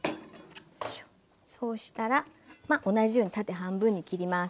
そうしたら同じように縦半分に切ります。